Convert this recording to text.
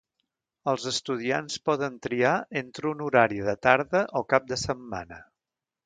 Els estudiants poden triar entre un horari de tarda o cap de setmana.